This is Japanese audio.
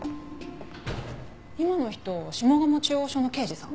今の人下鴨中央署の刑事さん？